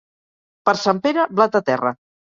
Per Sant Pere, blat a terra.